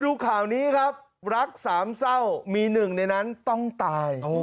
ดูข่าวนี้ครับรักสามเศร้ามีหนึ่งในนั้นต้องตาย